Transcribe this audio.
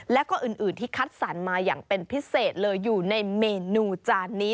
แล้วก็อื่นที่คัดสรรมาอย่างเป็นพิเศษเลยอยู่ในเมนูจานนี้